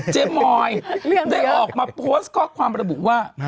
มอยได้ออกมาโพสต์ข้อความระบุว่า